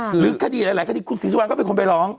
หรือคดีหลายคดีคุณศรีสุวรรณก็เป็นคนไปร้อง